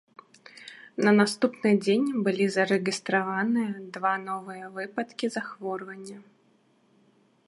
На наступны дзень былі зарэгістраваныя два новыя выпадкі захворвання.